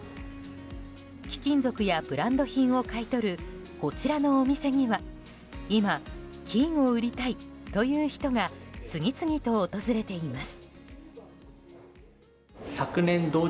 貴金属やブランド品を買い取るこちらのお店には今、金を売りたいという人が次々と訪れています。